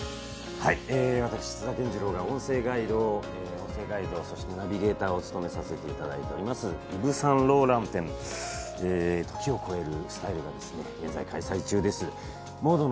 私津田健次郎が音声ガイドそしてナビゲーターを務めさせていただいています「イヴ・サンローラン展時を超えるスタイル」が現在開催中です。